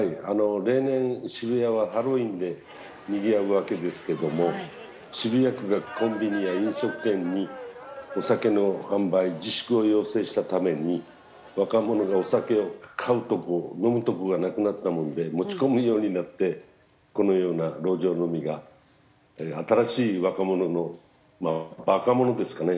例年渋谷はハロウィーンでにぎわうわけですけども渋谷区がコンビニや飲食店にお酒の販売自粛を要請したために若者がお酒を買うとこ飲むとこがなくなったもんで持ち込むようになってこのような路上飲みが新しい若者のまあバカ者ですかね。